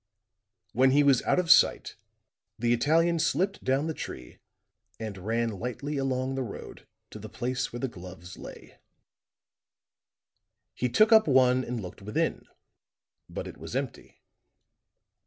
When he was out of sight, the Italian slipped down the tree and ran lightly along the road to the place where the gloves lay. He took up one and looked within; but it was empty.